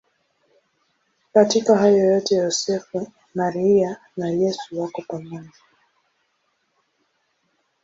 Katika hayo yote Yosefu, Maria na Yesu wako pamoja.